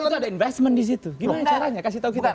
itu ada investment di situ gimana caranya kasih tahu kita